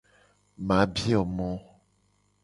Ma bio mo.